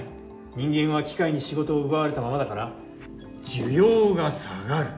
人間は機械に仕事を奪われたままだから「需要」が下がる。